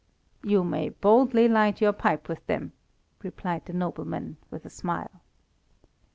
"You may boldly light your pipe with them," replied the nobleman, with a smile.